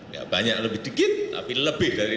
ya banyak lebih dikit tapi lebih dari